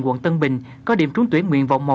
quận tân bình có điểm trúng tuyển nguyện vọng một